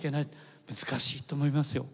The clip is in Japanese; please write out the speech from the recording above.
難しいと思いますよ。